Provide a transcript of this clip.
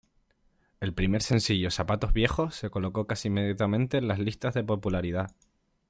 El primer sencillo, "Zapatos viejos", se colocó casi inmediatamente en las listas de popularidad.